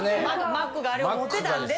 マックがあれを持ってたんで。